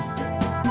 gak ada yang nanya